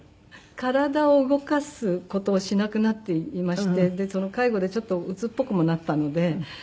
体を動かす事をしなくなっていまして介護でちょっとうつっぽくもなったので。